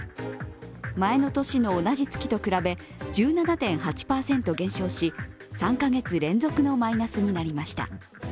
前の年の同じ月と比べ１７．８％減少し３カ月連続のマイナスになりました。